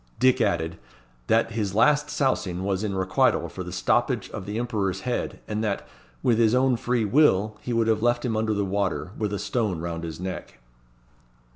Dick added, "that his last sousing was in requital for the stoppage of the Emperor's Head, and that, with his own free will, he would have left him under the water, with a stone round his neck."